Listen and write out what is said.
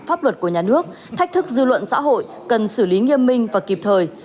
pháp luật của nhà nước thách thức dư luận xã hội cần xử lý nghiêm minh và kịp thời